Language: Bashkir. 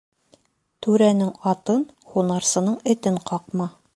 Түрәнең атын, һунарсының этен ҡаҡма.